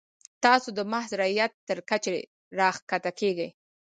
تاسو د محض رعیت تر کچې راښکته کیږئ.